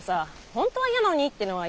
本当はやなのにってのは